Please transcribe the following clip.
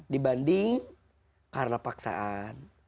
dibanding karena paksaan